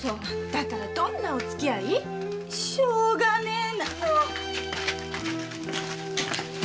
だからどんなお付き合い？しょうがねえなもう。